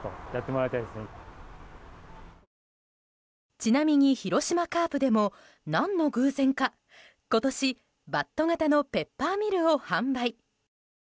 ちなみに広島カープでも何の偶然か今年、バット型のペッパーミルを販売。